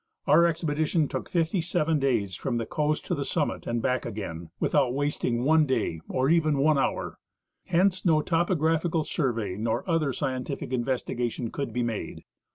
Our expedition took fifty seven days from the coast to the summit and back again, with out wasting one day or even one hour. Hence no topographical sur vey nor other scientific investigation could be made.